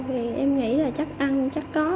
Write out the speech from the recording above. vì em nghĩ là chắc ăn chắc có